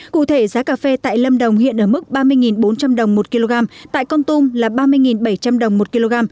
cụ thể giá cà phê tại lâm đồng hiện ở mức ba mươi bốn trăm linh đồng một kg tại con tum là ba mươi bảy trăm linh đồng một kg